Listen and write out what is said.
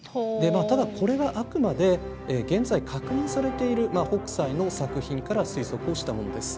ただこれはあくまで現在確認されている北斎の作品から推測をしたものです。